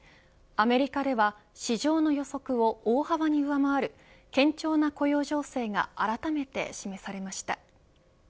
アメリカでは、市場の予測を大幅に上回る堅調の雇用情勢があらためて示されました。